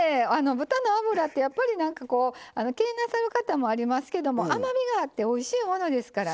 豚の脂ってやっぱりなんかこう気になさる方もありますけども甘みがあっておいしいものですからね